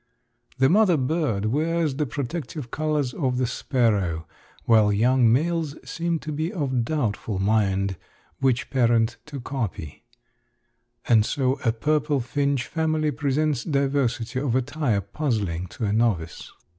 The mother bird wears the protective colors of the sparrow, while young males seem to be of doubtful mind which parent to copy; and so a purple finch family presents diversity of attire puzzling to a novice.